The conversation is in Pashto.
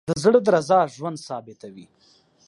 د زړه درزا ژوند ثابتوي.